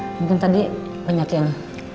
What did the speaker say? mungkin tadi banyak yang